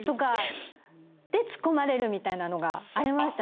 でツッコまれるみたいなのがありましたね。